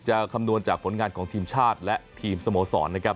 คำนวณจากผลงานของทีมชาติและทีมสโมสรนะครับ